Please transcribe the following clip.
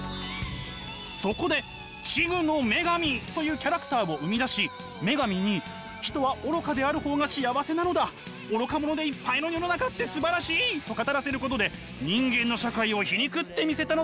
そこで痴愚の女神というキャラクターを生み出し女神に人は愚かである方が幸せなのだ愚か者でいっぱいの世の中ってすばらしい！と語らせることで人間の社会を皮肉ってみせたのです。